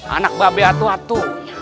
anak babi atu atu